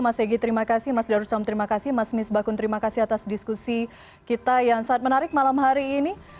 mas egy terima kasih mas darussam terima kasih mas mis bakun terima kasih atas diskusi kita yang sangat menarik malam hari ini